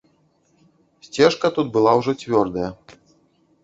Сцежка тут была ўжо цвёрдая.